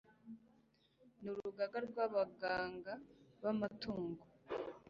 n urugaga rw abaganga b amatungo